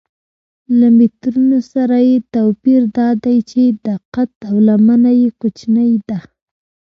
له مترونو سره یې توپیر دا دی چې دقت او لمنه یې کوچنۍ ده.